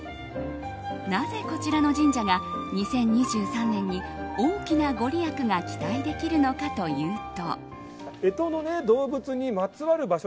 なぜ、こちらの神社が２０２３年に大きなご利益が期待できるのかというと。